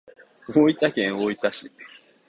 大分県大分市